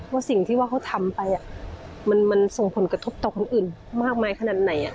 ว่าสิ่งที่ว่าเขาทำไปมันส่งผลกระทบต่อคนอื่นมากมายขนาดไหน